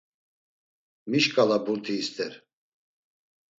Mi şkala burti ister?